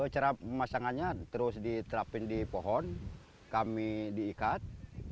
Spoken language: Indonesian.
cara pemasangannya terus diterapkan di pohon kami diikat